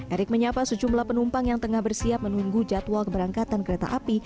erick menyapa sejumlah penumpang yang tengah bersiap menunggu jadwal keberangkatan kereta api